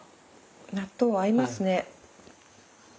納豆合いますね。